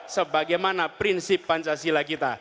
sebagaimana prinsip pancasila kita